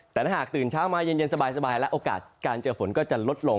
แต่ถ้าหากตื่นเช้ามาเย็นสบายแล้วโอกาสการเจอฝนก็จะลดลง